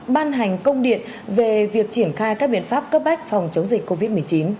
ban hành công điện về việc triển khai các biện pháp cấp bách phòng chống dịch covid một mươi chín